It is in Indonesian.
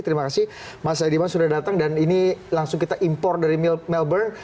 terima kasih mas saidiman sudah datang dan ini langsung kita impor dari melbourne